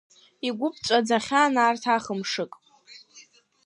Игәы ԥҵәаӡахьан арҭ ахы-мшык.